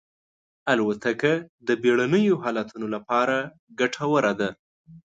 الوتکه د بېړنیو حالتونو لپاره ګټوره ده.